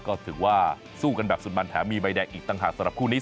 ก็ถือว่าสู้กันแบบสุดมันแถมมีใบแดงอีกต่างหากสำหรับคู่นี้